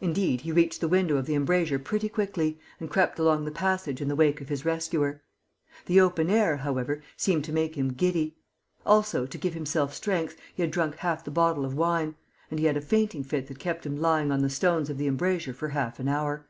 Indeed, he reached the window of the embrasure pretty quickly and crept along the passage in the wake of his rescuer. The open air, however, seemed to make him giddy. Also, to give himself strength, he had drunk half the bottle of wine; and he had a fainting fit that kept him lying on the stones of the embrasure for half an hour.